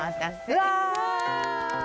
うわ！